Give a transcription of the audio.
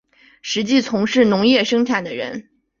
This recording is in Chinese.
实际从事农业生产的人